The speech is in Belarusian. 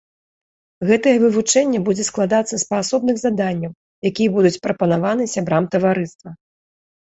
Гэтае вывучэнне будзе складацца з паасобных заданняў, якія будуць прапанаваны сябрам таварыства.